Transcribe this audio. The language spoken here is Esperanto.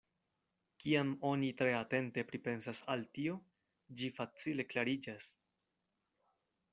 Kiam oni tre atente pripensas al tio, ĝi facile klariĝas.